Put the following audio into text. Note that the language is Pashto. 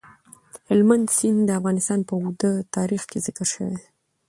هلمند سیند د افغانستان په اوږده تاریخ کې ذکر شوی دی.